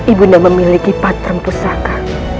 ibu nang memiliki patrumpu sangka